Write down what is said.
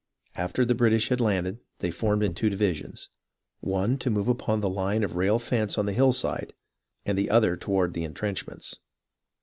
After the British had landed they formed in two divisions — one to move upon the Hne of rail fence on the hillside, and the other toward the intrenchments.